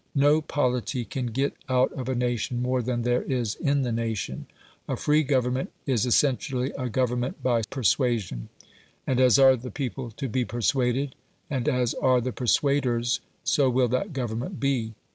No polity can get out of a nation more than there is in the nation. A free government is essentially a government by persuasion; and as are the people to be persuaded, and as are the persuaders, so will that government be.